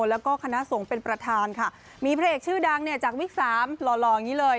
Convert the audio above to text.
แล้วก็คณะสงฆ์เป็นประธานค่ะมีพระเอกชื่อดังเนี่ยจากวิกสามหล่ออย่างนี้เลย